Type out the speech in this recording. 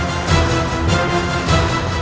makhluk apa kalian